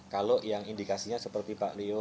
kalau yang indikasinya seperti pak leo